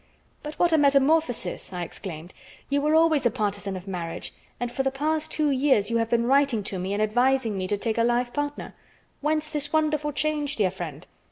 "But what a metamorphosis!" I exclaimed. "You were always a partisan of marriage, and for the past two years you have been writing to me and advising me to take a life partner. Whence this wonderful change, dear friend?